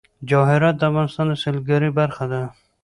جواهرات د افغانستان د سیلګرۍ برخه ده.